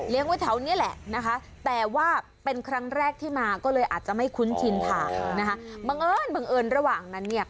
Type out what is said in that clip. เลี้ยงไว้แถวนี้แหละนะคะ